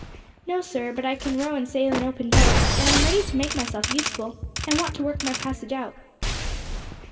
"No, sir; but I can row and sail an open boat, and am ready to make myself useful. I want to work my passage out."